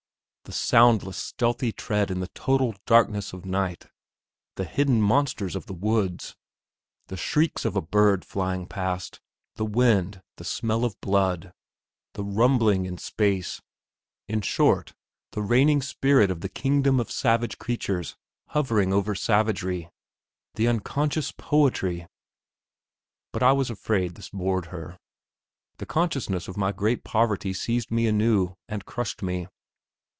The soundless, stealthy tread in the total darkness of night; the hidden monsters of the woods; the shrieks of a bird flying past; the wind, the smell of blood, the rumbling in space; in short, the reigning spirit of the kingdom of savage creatures hovering over savagery ... the unconscious poetry!... But I was afraid this bored her. The consciousness of my great poverty seized me anew, and crushed me.